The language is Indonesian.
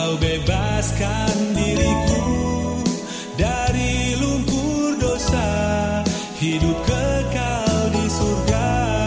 lepaskan diriku dari lumpur dosa hidup kekal di surga